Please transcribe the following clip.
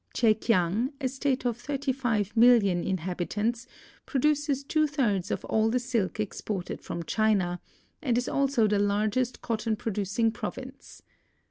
Chekiang, a state of 35,000,000 inhabitants, produces two thirds of all the silk exported from China, and is also the largest cotton producing province.